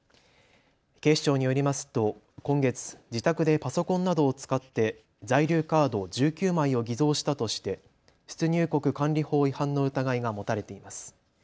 警視庁によりますと今月、自宅でパソコンなどを使って在留カード１９枚を偽造したとして出入国管理法違反の疑いが持たれています。